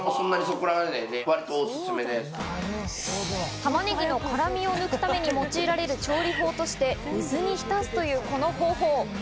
玉ねぎの辛味を抜くために用いられる調理法として水に浸すというこの方法。